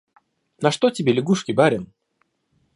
На что тебе лягушки, барин?